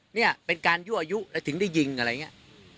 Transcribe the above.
เนี่ยเป็นการยั่วยุแล้วถึงได้ยิงอะไรอย่างนี้